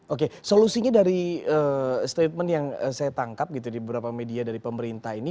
oke solusinya dari statement yang saya tangkap gitu di beberapa media dari pemerintah ini